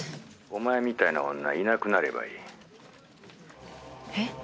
「お前みたいな女いなくなればいい」え？